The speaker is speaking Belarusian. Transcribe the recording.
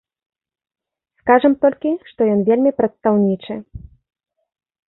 Скажам толькі, што ён вельмі прадстаўнічы.